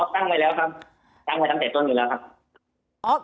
ตั้งไว้แล้วครับตั้งไว้ตั้งแต่ต้นอยู่แล้วครับ